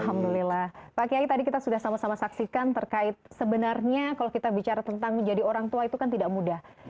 alhamdulillah pak kiai tadi kita sudah sama sama saksikan terkait sebenarnya kalau kita bicara tentang menjadi orang tua itu kan tidak mudah